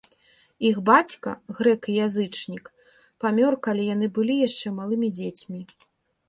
Іх бацька, грэк і язычнік, памёр калі яны былі яшчэ малымі дзецьмі.